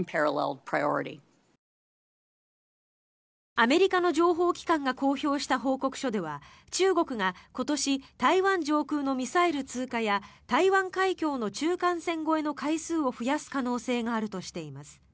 アメリカの情報機関が公表した報告書では中国が今年台湾上空のミサイル通過や台湾海峡の中間線越えの回数を増やす可能性があるとしています。